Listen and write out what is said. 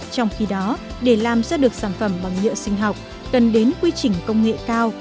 trong khi đó để làm ra được sản phẩm bằng nhựa sinh học cần đến quy trình công nghệ cao